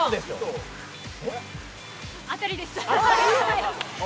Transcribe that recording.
当たりです。